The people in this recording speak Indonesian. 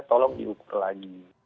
tolong diukur lagi